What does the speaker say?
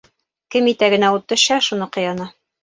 Кем итәгенә ут төшһә, шуныҡы яна.